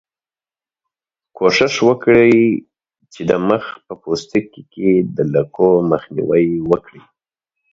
کوښښ وکړئ چې د مخ په پوستکي کې د لکو مخنیوی وکړئ.